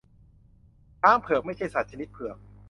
ช้างเผือก ไม่ใช่สัตว์ชนิดเผือก